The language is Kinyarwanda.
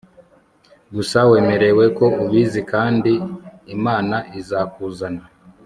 gusa wemere ko ubizi, kandi imana izakuzana